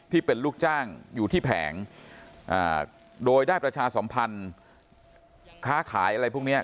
ที่เป็นลูกจ้างอยู่ที่แผงโดยได้ประชาสัมพันธ์ค้าขายอะไรพวกนี้